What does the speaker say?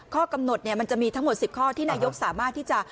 ข้อกำหนดมันจะมีทั้งหมด๑๐ข้อที่นายกสามารถที่จะ